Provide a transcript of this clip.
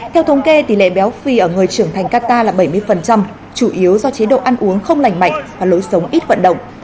theo thống kê tỷ lệ béo phì ở người trưởng thành qatar là bảy mươi chủ yếu do chế độ ăn uống không lành mạnh và lối sống ít vận động